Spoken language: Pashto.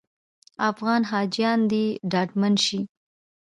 افغان حاجیان دې ډاډمن شي.